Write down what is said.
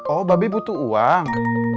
oh babe butuh uang